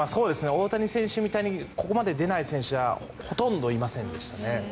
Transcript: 大谷選手みたいにここまで出ない選手はほとんどいませんでしたね。